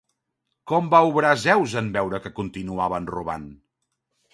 Com va obrar Zeus en veure que continuaven robant?